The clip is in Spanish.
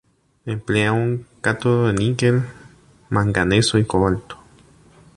Emplea un cátodo de níquel, manganeso y cobalto.